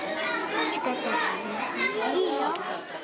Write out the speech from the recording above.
いいよ。